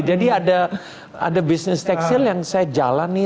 jadi ada bisnis tekstil yang saya jalani